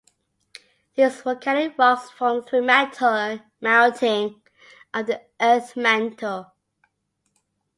These volcanic rocks formed through melting of the earth mantle.